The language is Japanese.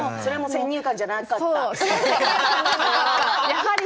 やはり。